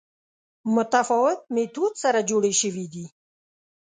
متفاوت میتود سره جوړې شوې دي